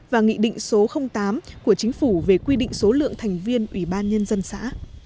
và nghị định số tám của chính phủ về quy định số lượng thành viên ủy ban nhân dân xã